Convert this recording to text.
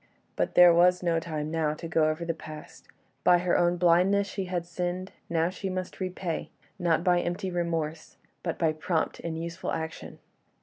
But there was no time now to go over the past. By her own blindness she had sinned; now she must repay, not by empty remorse, but by prompt and useful action.